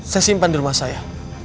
saya simpan di rumah saya